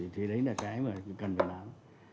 thì đấy là cái mà cần phải làm